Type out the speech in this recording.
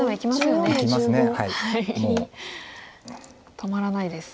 止まらないです。